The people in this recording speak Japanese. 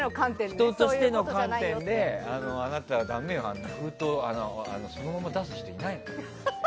人としての観点であなたはだめよ、封筒をそのまま出す人いないよって。